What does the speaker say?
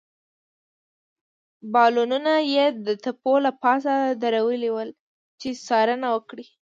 بالونونه يې د تپو له پاسه درولي ول، چې څارنه وکړي.